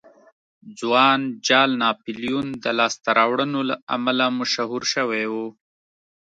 ځوان جال ناپلیون د لاسته راوړنو له امله مشهور شوی و.